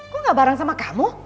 gue gak bareng sama kamu